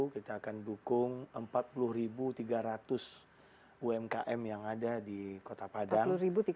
kita akan dukung empat puluh tiga ratus umkm yang ada di kota padang